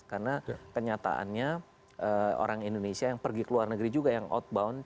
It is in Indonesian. karena kenyataannya orang indonesia yang pergi ke luar negeri juga yang outbound